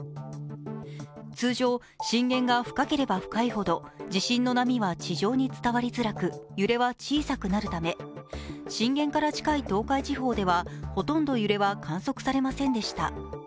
通常、震源が深ければ深いほど地震の波は地上に伝わりづらく揺れは小さくなるため、震源から近い東海地方ではほとんど揺れは観測されませんでした。